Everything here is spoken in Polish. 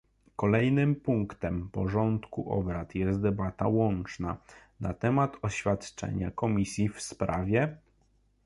Kolejnym punktem porządku obrad jest debata łączna na temat oświadczenia Komisji w sprawie